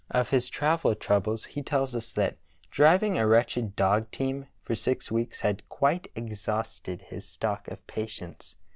Of his travel troubles he tells us that driving a wretched dog team for six weeks had quite exhausted his stock oi patience.